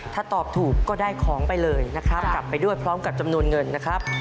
ถ้าตอบถูกก็ได้ของไปเลยนะครับกลับไปด้วยพร้อมกับจำนวนเงินนะครับ